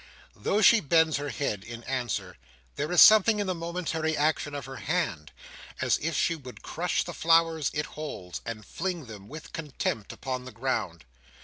Though she bends her head, in answer, there is something in the momentary action of her hand, as if she would crush the flowers it holds, and fling them, with contempt, upon the ground.